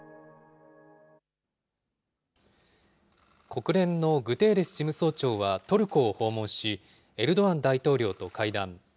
国連のグテーレス事務総長はトルコを訪問し、エルドアン大統領と会談。